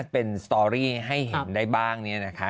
เป็นสตอรี่ให้เห็นได้บ้างเนี่ยนะคะ